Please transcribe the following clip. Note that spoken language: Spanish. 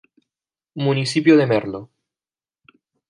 Municipio de Merlo.